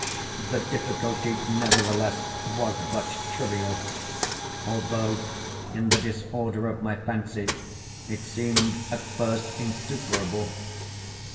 The difficulty, nevertheless, was but trivial; although, in the disorder of my fancy, it seemed at first insuperable.